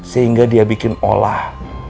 sehingga dia bikin olah